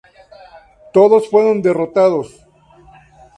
Todos fueron derrotados.